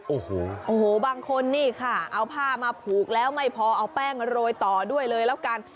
โอ้โหบางคนนี่ค่ะเอาผ้ามาผูกแล้วไม่พอเอาแป้งโรยต่อด้วยเลยแล้วกัน